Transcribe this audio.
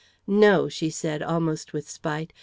"No," she said, almost with spite.